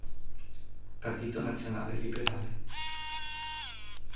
Partito Nazionale Liberale